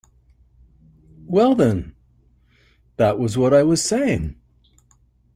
Well, then, that was what I was saying.